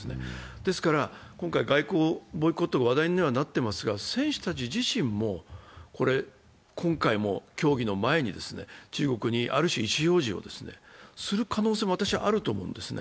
ですから、今回、外交ボイコットが話題にはなっていますけれども、選手たち自身も今回も競技の前に中国にある種、意思表示をする可能性もあると私は思うんです。